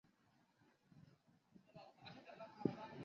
小女儿为现代舞编舞家富野幸绪。